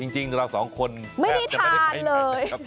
จริงเราสองคนแทบจะไม่ได้ไปไหนนะครับไม่ได้ทานเลย